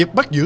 điệp bắt giữ